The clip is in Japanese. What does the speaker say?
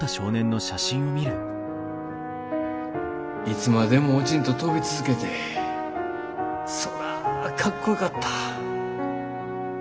いつまでも落ちんと飛び続けてそらかっこよかった。